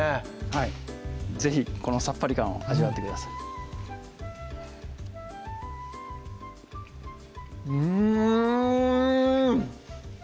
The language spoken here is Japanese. はい是非このさっぱり感を味わってくださいうん！